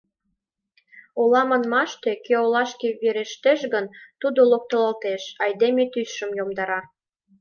Ола манмаште, кӧ олашке верештеш гын, тудо локтылалтеш, айдеме тӱсшым йомдара.